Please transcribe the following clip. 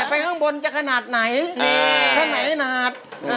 ไปข้างบนจะขนาดไหนถ้าไหนหนาด